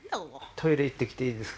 トイレ行ってきていいですか？